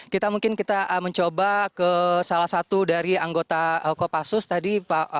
kita mungkin kita mencoba ke salah satu dari anggota kopassus tadi